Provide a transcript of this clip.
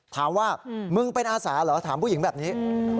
ถามว่ามึงเป็นอาสาเหรอถามผู้หญิงแบบนี้